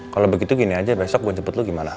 kalo begitu gini aja besok gue nyebut lo gimana